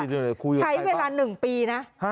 ใช้เวลา๑ปีนะ